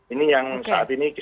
ini yang saat ini